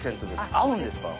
合うんですか？